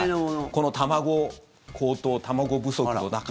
この卵高騰、卵不足の中で。